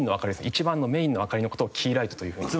一番のメインの明かりの事をキーライトというふうに。